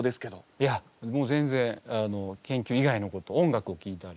いやもう全然研究以外のこと音楽をきいたり。